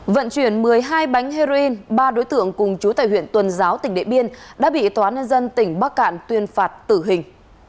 vận chuyển một mươi hai bánh heroin ba đối tượng cùng chú tài huyện tuần giáo tỉnh đệ biên đã bị tòa nên dân tỉnh bắc cạn tuyên phạt tử hình